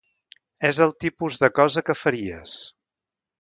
És el tipus de cosa que faries.